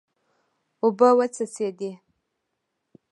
اوبه وڅڅېدې.